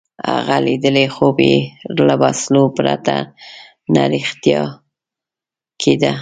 هغه لیدلی خوب یې له وسلو پرته نه رښتیا کېده.